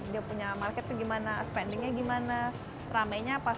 dia punya market tuh gimana spendingnya gimana ramainya pas weekend